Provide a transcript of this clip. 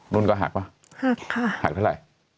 นุ่นก็หักป่ะหักค่ะหักเท่าไหร่